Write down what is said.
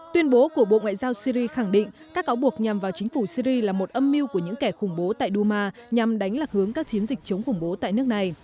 tuyên bố của bộ ngoại giao syri khẳng định các cáo buộc nhằm vào chính phủ syri là một âm mưu của những kẻ khủng bố tại duma nhằm đánh lạc hướng các chiến dịch chống khủng bố tại nước này